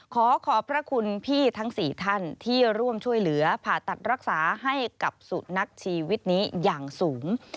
ขอขอบพระคุณพี่ทั้ง๔ท่านที่ร่วมช่วยเหลือผ่าตัดรักษาให้กับสุนัขชีวิตนี้อย่างสูง